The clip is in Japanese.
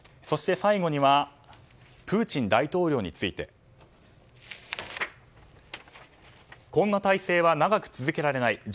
そして、最後にはプーチン大統領について。こんな体制は長く続けられない。